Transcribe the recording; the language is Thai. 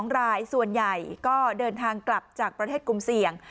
๒รายส่วนใหญ่ก็เดินทางกลับจากประเทศกลุ่มเสี่ยง